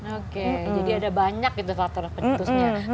oke jadi ada banyak gitu faktor penyutusnya